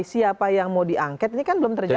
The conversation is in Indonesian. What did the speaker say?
siapa yang mau diangket ini kan belum terjadi